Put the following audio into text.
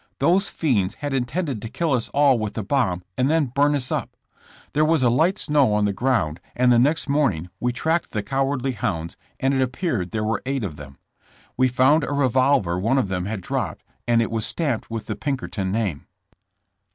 Those fiends had intended to kill us all with the bomb and then burn us up. There was a light snow on the ground and the next morning we tracked the cowardly hounds, and it appeared there were eight of them. We found a revolver one of them had dropped, and it was stamped with the Pinkerton name.''